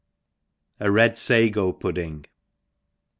A red Sago Pudding.